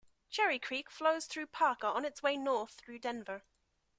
Cherry Creek flows through Parker on its way north toward Denver.